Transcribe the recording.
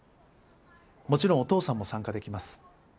もちろんお父さんも参加できます。